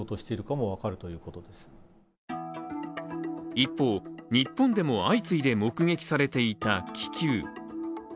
一方、日本でも相次いで目撃されていた気球。